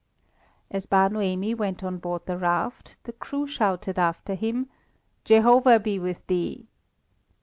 As Bar Noemi went on board the raft, the crew shouted after him: "Jehovah be with thee!"